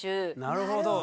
なるほど。